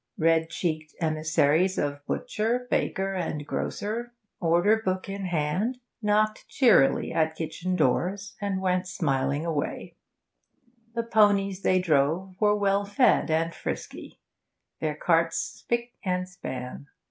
Red cheeked emissaries of butcher, baker, and grocer, order book in hand, knocked cheerily at kitchen doors, and went smiling away; the ponies they drove were well fed and frisky, their carts spick and span.